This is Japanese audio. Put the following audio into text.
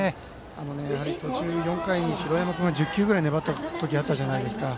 途中、４回に広山君が１０球くらい粘った時があったじゃないですか。